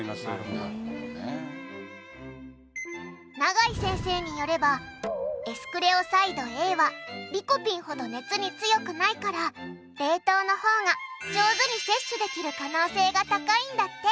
永井先生によればエスクレオサイドＡはリコピンほど熱に強くないから冷凍の方が上手に摂取できる可能性が高いんだって。